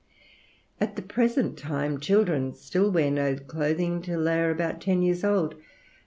At the present time children still wear no clothing till they are about ten years old.